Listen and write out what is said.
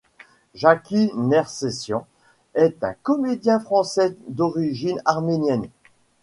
Jacky Nercessian est un comédien français d'origine arménienne.